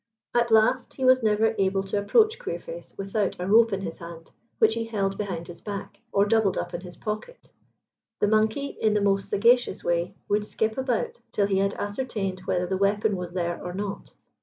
At last he was never able to approach Queerface without a rope in his hand, which he held behind his back, or doubled up in his pocket. The monkey, in the most sagacious way, would skip about till he had ascertained whether the weapon was there or not.